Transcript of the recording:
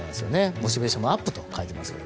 モチベーションもアップと書いてありますけど。